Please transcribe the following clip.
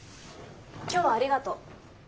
今日はありがとう。